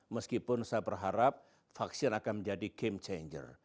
meskipun saya berharap vaksin akan menjadi game changer